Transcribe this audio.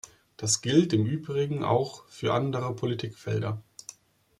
Das gilt im Übrigen auch für andere Politikfelder.